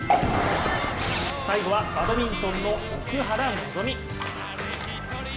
最後は、バドミントンの奥原希望。